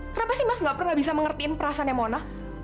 kenapa sih mas gak pernah bisa mengertiin perasaannya mona